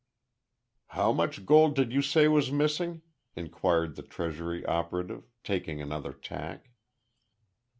"How much gold did you say was missing?" inquired the Treasury operative, taking another tack.